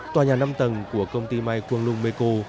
tòa nhà năm tầng của công ty mai quang lung meco